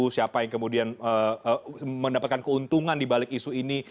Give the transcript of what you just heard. siapa yang kemudian mendapatkan keuntungan dibalik isu ini